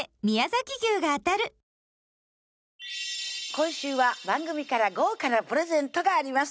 今週は番組から豪華なプレゼントがあります